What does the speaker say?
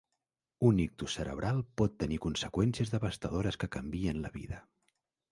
Un ictus cerebral pot tenir conseqüències devastadores que canvien la vida.